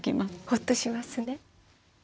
ホッとしますね。